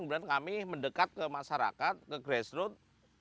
kemudian kami mendekat ke masyarakat ke grassroot